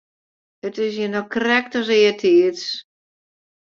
It is hjir noch krekt as eartiids.